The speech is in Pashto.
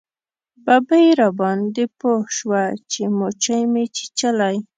ببۍ راباندې پوه شوه چې موچۍ مې چیچلی.